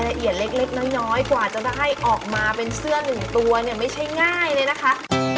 ละเอียดเล็กน้อยกว่าจะได้ออกมาเป็นเสื้อหนึ่งตัวเนี่ยไม่ใช่ง่ายเลยนะคะ